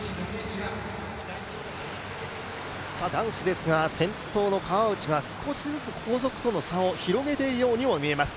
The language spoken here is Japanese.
男子ですが先頭の川内が少しずつ後続との差を広げているようにも見えます。